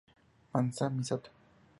Masami Sato